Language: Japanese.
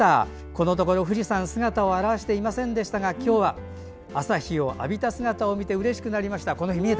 このところ富士山姿を現していませんでしたが現していませんでしたが今日は朝日を浴びた姿を見てうれしくなりました。